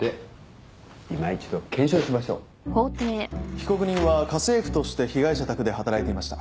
被告人は家政婦として被害者宅で働いていました。